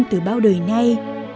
từ bao đời nay